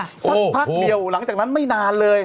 สักพักเดียวหลังจากนั้นไม่นานเลย